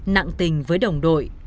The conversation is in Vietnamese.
nặng tình với đồng đội